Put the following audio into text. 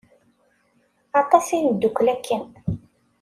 Aṭas i neddukel akken.